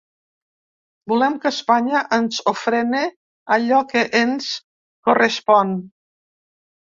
Volem que Espanya ens ofrene allò que ens correspon.